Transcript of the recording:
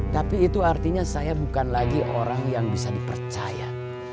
tapi itu artinya saya bukan lagi orang yang bisa dipercaya